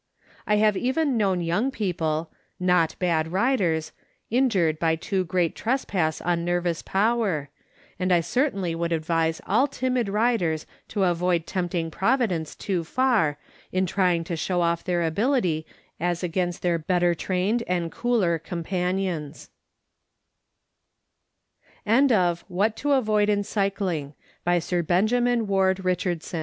I have even known young people, not bad riders, injured by too great trespass on nervous power, and I certainly would advise all timid riders to avoid tempting Providence too far in trying to show off their ability as against their better trained and cooler companions. Benjamin Ward Richards